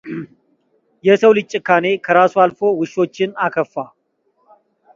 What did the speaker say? የሰው ልጅ ጭካኔ ከራሱ አልፎ ውሾችን አከፋ።